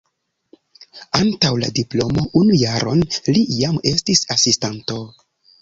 Antaŭ la diplomo unu jaron li jam estis asistanto.